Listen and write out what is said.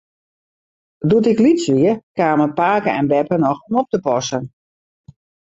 Doe't ik lyts wie, kamen pake en beppe noch om op te passen.